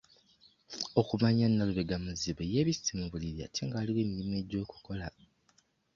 Okumanya Nalubega muzibu yeebisse mu buliri ate nga waliwo emirimu egy'okukola.